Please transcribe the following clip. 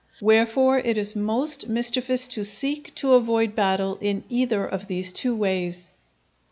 Wherefore it is most mischievous to seek to avoid battle in either of these two ways.